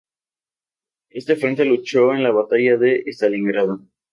Este frente luchó en la Batalla de Stalingrado.